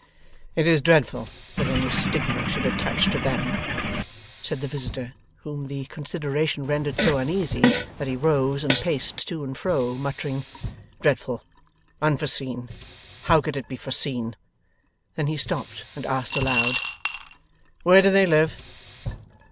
'It is dreadful that any stigma should attach to them,' said the visitor, whom the consideration rendered so uneasy that he rose, and paced to and fro, muttering, 'Dreadful! Unforeseen? How could it be foreseen!' Then he stopped, and asked aloud: 'Where do they live?